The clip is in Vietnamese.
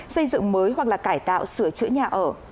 xây dựng mới hoặc là cải tạo sửa chữa nhà ở